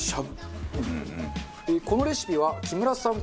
このレシピは木村さん